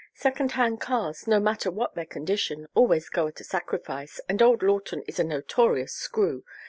Second hand cars, no matter what their condition, always go at a sacrifice, and old Lawton is a notorious screw.